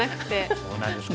そうなんですか。